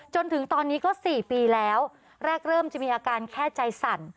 จนถึงตอนนี้ก็๔ปีแล้วแรกเริ่มจะมีอาการแค่ใจสั่น